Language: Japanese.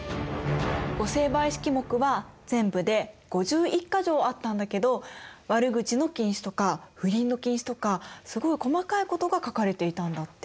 御成敗式目は全部で５１か条あったんだけど悪口の禁止とか不倫の禁止とかすごい細かいことが書かれていたんだって。